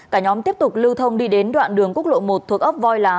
cả nhóm tiếp tục lưu thông đi đến đoạn đường quốc lộ một thuộc ấp voi lá